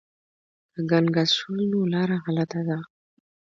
که ګنګس شول نو لاره غلطه ده.